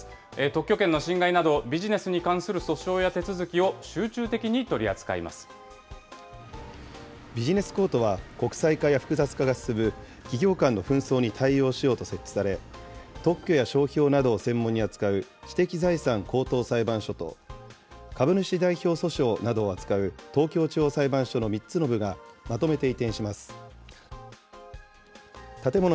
特許権の侵害など、ビジネスに関する訴訟や手続きを集中的に取りビジネス・コートは、国際化や複雑化が進む企業間の紛争に対応しようと設置され、特許や商標などを専門に扱う知的財産高等裁判所と、株主代表訴訟などを扱う東京地方裁判所の３つの部が、まとめて移転します。